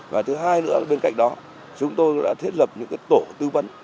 và thứ hai nữa bên cạnh đó chúng tôi đã thiết lập những tổ tư vấn